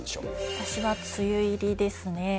私は梅雨入りですね。